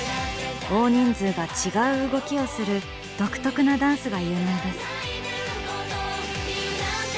大人数が違う動きをする独特なダンスが有名です。